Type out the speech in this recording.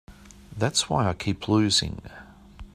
That's why I keep losing.